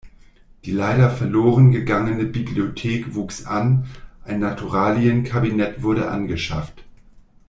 Die leider verloren gegangene Bibliothek wuchs an, ein Naturalienkabinett wurde angeschafft.